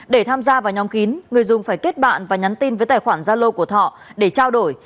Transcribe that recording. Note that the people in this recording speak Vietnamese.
để tham gia vào nhóm kín người dùng phải kết bạn và nhắn tin với tài khoản gia lô của thọ để trao đổi